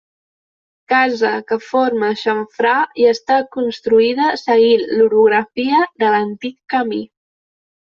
Casa que forma xamfrà i està construïda seguint l'orografia de l'antic camí.